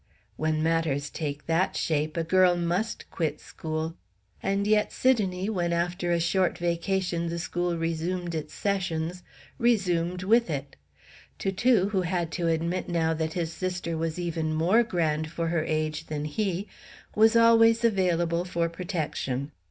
When matters take that shape a girl must quit school. And yet Sidonie, when after a short vacation the school resumed its sessions, resumed with it. Toutou, who had to admit now that his sister was even more grand for her age than he, was always available for protection.